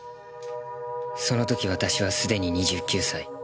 その時私はすでに２９歳。